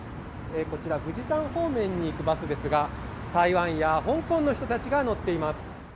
こちら、富士山方面に行くバスですが、台湾や香港の人たちが乗っています。